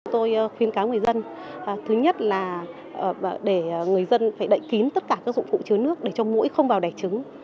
tôi khuyến cáo người dân thứ nhất là để người dân phải đậy kín tất cả các dụng cụ chứa nước để cho mũi không vào đẻ trứng